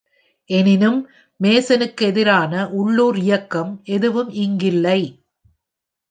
எனினும், மேசனுக்கு எதிரான உள்ளூர் இயக்கம் எதுவும் இங்கில்லை.